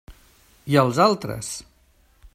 I els altres?